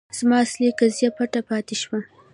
زما اصلي قضیه پټه پاتې شوه.